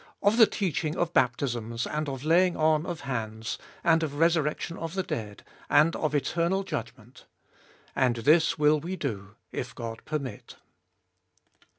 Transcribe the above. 2. Of the teaching of baptisms, and of laying on of hands, and of resur rection of the dead, and of eternal judgment. 3. And this will we do, if God permit.